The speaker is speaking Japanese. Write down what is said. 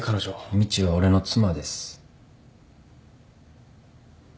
みちは俺の妻です。